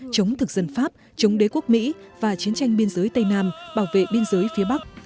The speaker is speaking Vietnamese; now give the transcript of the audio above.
chống thực dân pháp chống đế quốc mỹ và chiến tranh biên giới tây nam bảo vệ biên giới phía bắc